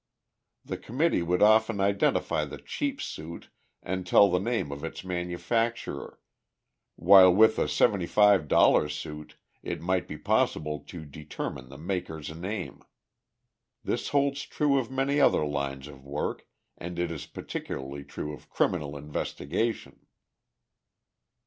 The committee could often identify the cheap suit and tell the name of its manufacturer, while with a seventy five dollar suit it might be possible to determine the maker's name. This holds true of many other lines of work, and it is particularly true of criminal investigation.